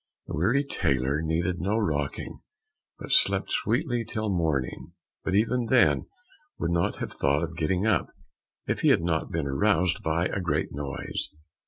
The weary tailor needed no rocking; but slept sweetly till morning, but even then would not have thought of getting up, if he had not been aroused by a great noise.